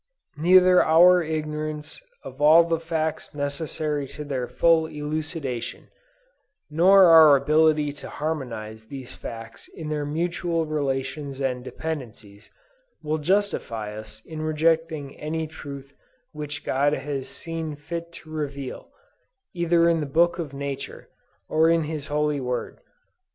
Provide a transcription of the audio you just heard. Neither our ignorance of all the facts necessary to their full elucidation, nor our inability to harmonize these facts in their mutual relations and dependencies, will justify us in rejecting any truth which God has seen fit to reveal, either in the book of nature, or in His holy word.